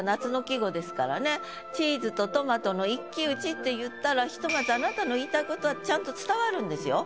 まあ「チーズとトマトの一騎討ち」っていったらひとまずあなたの言いたいことはちゃんと伝わるんですよ。